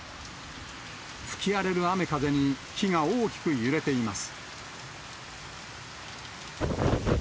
吹き荒れる雨風に、木が大きく揺れています。